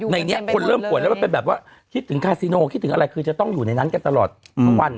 ในนี้คนเริ่มป่วยแล้วมันเป็นแบบว่าคิดถึงคาซิโนคิดถึงอะไรคือจะต้องอยู่ในนั้นกันตลอดทั้งวัน